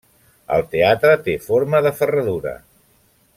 El teatre té forma de ferradura.